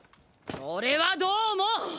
それはどーも！！